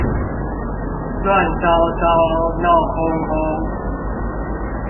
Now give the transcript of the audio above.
亂糟糟鬧哄哄